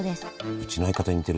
うちの相方に似てるなあ。